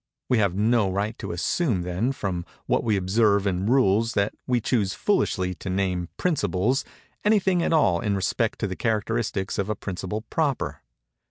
We have no right to assume, then, from what we observe in rules that we choose foolishly to name "principles," anything at all in respect to the characteristics of a principle proper.